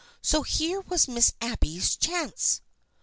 So here was Miss Abby's chance.